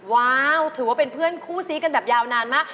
ว้าวถือว่าเป็นเพื่อนคู่ซีกันแบบยาวนานมาก